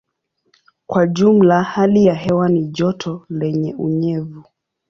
Kwa jumla hali ya hewa ni joto lenye unyevu.